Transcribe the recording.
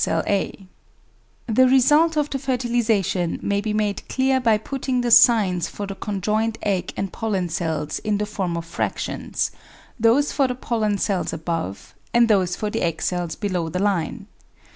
Pollen cells A A a a 1 uK i Egg cells A A a a The result of the fertilisation may be made clear by putting the signs for the conjoined egg and pollen cells in the form of fractions, those for the pollen cells above and those for the egg cells below the line.